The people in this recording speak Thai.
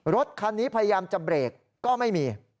รถคันนี้พยายามจะเบรกก็ไม่มี